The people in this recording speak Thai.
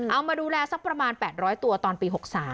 เอามาดูแลสักประมาณ๘๐๐ตัวตอนปี๖๓